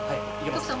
徳さん